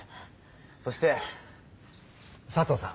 そして佐藤さん。